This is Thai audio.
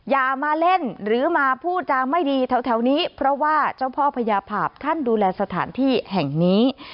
อย่ามาเล่นหรือมาพูดจาไม่ดีแถวนี้เพราะว่าเจ้าพ่อพญาภาพท่านดูแลสถานที่แห่งนี้